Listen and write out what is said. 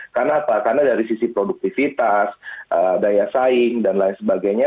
karena apa karena dari sisi produktivitas daya saing dan lain sebagainya